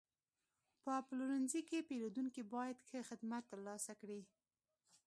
په پلورنځي کې پیرودونکي باید ښه خدمت ترلاسه کړي.